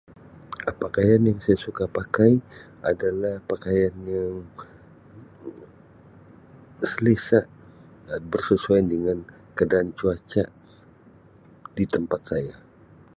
Um Pakaian yang saya suka pakai adalah pakaian yang selesa , Um bersesuaian dengan keadaan cuaca di tempat saya.